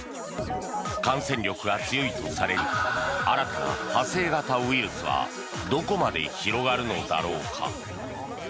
感染力が強いとされる新たな派生型ウイルスはどこまで広がるのだろうか。